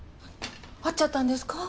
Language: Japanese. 会っちゃったんですか？